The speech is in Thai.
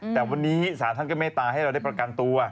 แต่วันนี้ศาลท่านก็เมตตาให้เราได้ประกันตัว